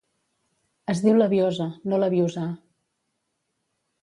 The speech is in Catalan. Es diu "leviosa", no "leviosà".